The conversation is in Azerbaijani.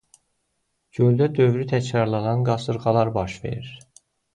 Göldə dövrü təkrarlanan qasırğalar baş verir.